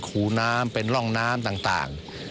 ขู่น้ำเป็นร่องน้ำต่าง